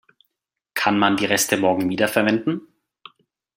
Kann man die Reste morgen wiederverwenden?